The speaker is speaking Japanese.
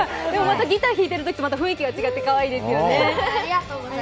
ギター弾いてるときと雰囲気が違って、またかわいいですよね